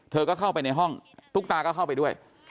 เธอก็เข้าไปในห้องตุ๊กตาก็เข้าไปด้วย